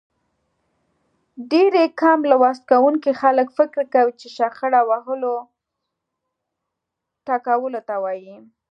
ډېری کم لوست کوونکي خلک فکر کوي چې شخړه وهلو ټکولو ته وايي.